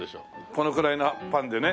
このくらいのパンでね。